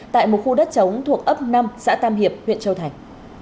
tại một khu đất chống thuộc ấp năm xã tam hiệp huyện châu thành